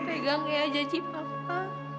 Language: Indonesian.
pegang ya janji papa